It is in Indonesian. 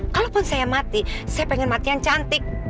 kalaupun saya mati saya pengen mati yang cantik